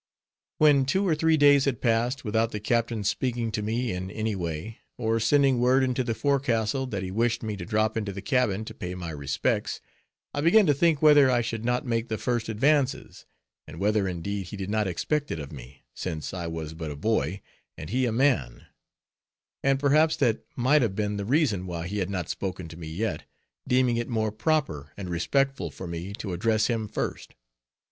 When two or three days had passed without the captain's speaking to me in any way, or sending word into the forecastle that he wished me to drop into the cabin to pay my respects. I began to think whether I should not make the first advances, and whether indeed he did not expect it of me, since I was but a boy, and he a man; and perhaps that might have been the reason why he had not spoken to me yet, deeming it more proper and respectful for me to address him first.